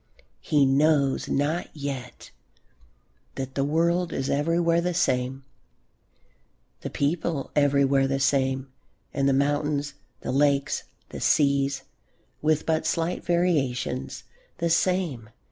He knows not yet that the world is everywhere the same, the people everywhere the same, and the mountains, the lakes, the seas, with but slight variations, the same.